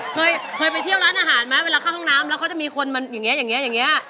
เคยเคยไปเที่ยวร้านอาหารไหมเวลาเข้าห้องน้ำแล้วเขาจะมีคนมาอย่างนี้อย่างนี้